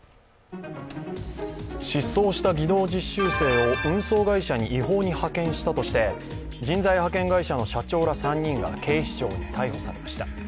失踪した技能実習生を運送会社に違法に派遣したとして人材派遣会社の社長ら３人が警視庁に逮捕されました。